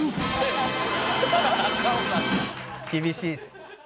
厳しいっす。